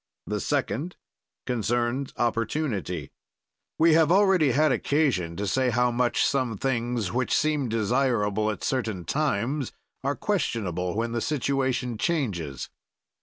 The second concerns opportunity. We have already had occasion to say how much some things, which seem desirable at certain times, are questionable when the situation changes.